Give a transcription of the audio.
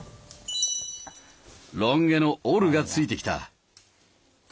ロン毛のオルがついてきた！